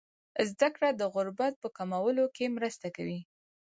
زده کړه د غربت په کمولو کې مرسته کوي.